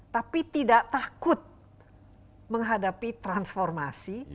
tapi tidak takut menghadapi transformasi